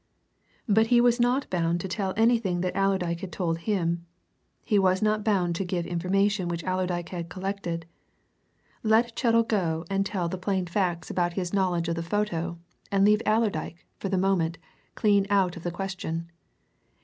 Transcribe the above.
But he was not bound to tell anything that Allerdyke had told him: he was not bound to give information which Allerdyke had collected. Let Chettle go and tell the plain facts about his own knowledge of the photo and leave Allerdyke, for the moment, clean out of the question.